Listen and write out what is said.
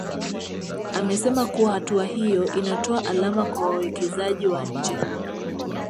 Amesema kuwa hatua hiyo inatoa alama kwa wawekezaji wa nje